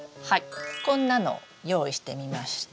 こんなのを用意してみました！